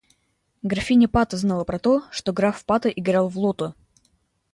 Графиня Патто знала про то, что граф Патто играл в лото.